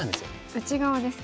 内側ですか。